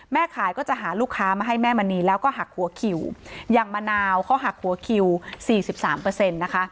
แม่ขายก็จะหาลูกค้ามาให้แม่มณีแล้วก็หักหัวคิวอย่างมะนาวเขาหักหัวคิว๔๓นะคะ